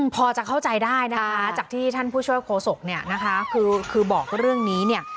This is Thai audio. พอจะเข้าใจได้นะคะจากที่ท่านผู้ช่วยโคศกเนี่ยนะคะคือบอกเรื่องนี้เนี่ย